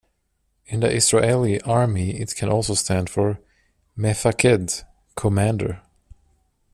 In the Israeli army it can also stand for "mefaked", commander.